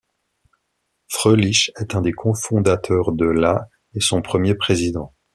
Fröhlich est un des co-fondateurs de la et son premier président.